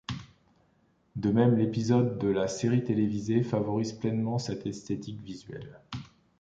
De même, l'épisode ' de la série télévisée ' favorise pleinement cette esthétique visuelle.